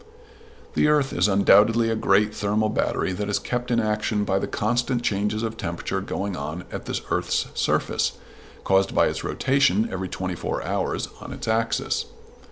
The earth is undoubtedly a great thermal battery that is kept in action by the constant changes of temperature going on at the earth's surface, caused by its rotation every twenty four hours on its axis.